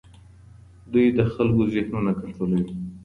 دوی د خلګو ذهنونه کنټرولوي.